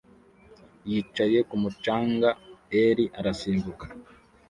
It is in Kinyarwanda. yicaye kumu canga er arasimbuka